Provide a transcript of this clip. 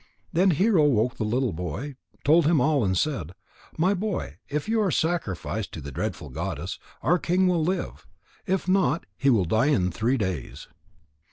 Then Hero woke the little boy, told him all, and said: "My boy, if you are sacrificed to the Dreadful Goddess, our king will live. If not, he will die in three days."